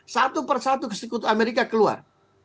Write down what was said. satu persatu ke sekutu amerika keluar